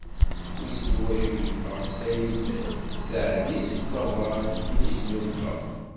Wissen iwacu yeffeɣ Ssaɛid Seɛdi seg ukabar i d-yesnulfa.